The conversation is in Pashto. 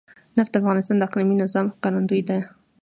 نفت د افغانستان د اقلیمي نظام ښکارندوی ده.